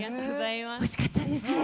惜しかったですね。